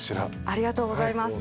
ありがとうございます。